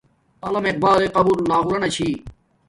علامہ اقبایݵ قبر لاہوران چھی